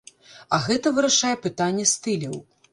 А гэта вырашае пытанне стыляў.